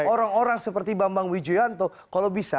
orang orang seperti bambang wijoyanto kalau bisa